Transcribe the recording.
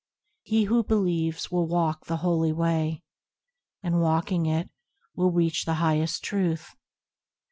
He who believes, will walk the holy Way, And, walking it, will reach the highest Truth.